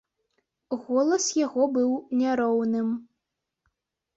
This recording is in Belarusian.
Голас яго быў няроўным.